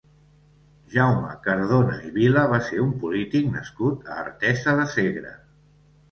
Jaume Cardona i Vila va ser un polític nascut a Artesa de Segre.